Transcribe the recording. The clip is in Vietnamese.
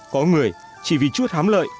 có người chỉ vì chút hám lợi